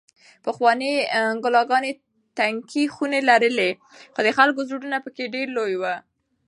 پخوانۍ کلاګانې تنګې خونې لرلې خو د خلکو زړونه پکې ډېر لوی وو.